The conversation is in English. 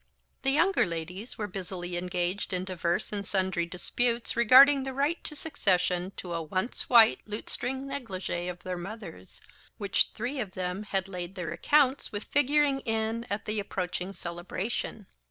The younger ladies were busily engaged in divers and sundry disputes regarding the right to succession to a once white lutestring negligee of their mother's, which three of them had laid their accounts with figuring in at the approaching celebration.